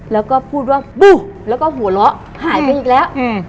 แล้วก็พูดว่าบึ้งแล้วก็หัวเราะหายไปอีกแล้ว